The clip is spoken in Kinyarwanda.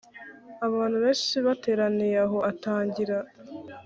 abantu benshi bateraniye aho atangira